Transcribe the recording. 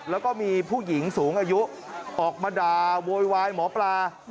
แล้วก็มีผู้หญิงสูงอายุออกมาด่าโวยวายหมอปลา